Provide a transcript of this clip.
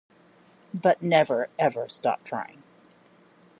But never, ever stop trying.